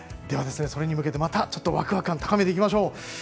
では、それに向けてまたワクワク感を高めていきましょう。